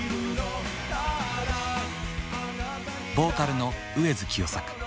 ボーカルの上江洌清作。